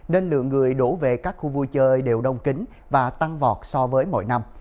nên lượng người đổ về các khu vui chơi đều đông kín và tăng vọt so với mỗi năm